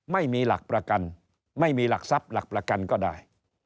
ไม่มีหลักประกันไม่มีหลักทรัพย์หลักประกันก็ได้